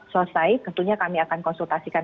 selesai tentunya kami akan konsultasikan